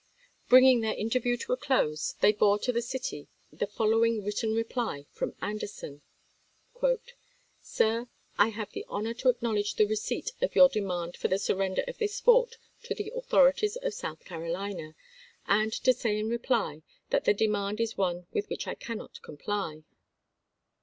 Bringing their interview to a close, they bore to the city the following written reply from Anderson : Sir : I have the honor to acknowledge the receipt of your demand for the surrender of this fort to the author ities of South Carolina, and to say in reply that the de mand is one with which I cannot comply.